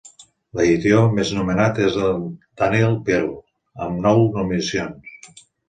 L'editor més nominat és en Daniel Pearl, amb nou nominacions.